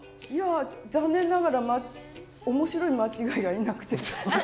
いや残念ながら面白い間違いがいなくて。